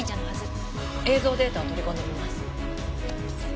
映像データを取り込んでみます。